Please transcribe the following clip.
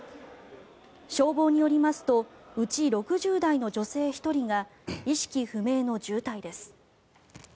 消防によりますとうち６０代の女性１人が意識不明の重体です。